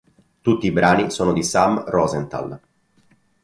Tutti i brani sono di Sam Rosenthal.